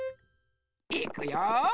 いくよ！